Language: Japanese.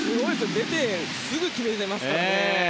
出てすぐ決めましたからね。